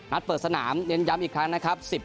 เปิดสนามเน้นย้ำอีกครั้งนะครับ